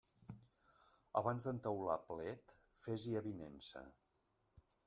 Abans d'entaular plet, fes-hi avinença.